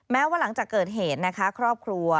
แม้ว่าหลังจากเกิดเหตุนะคะครอบครัว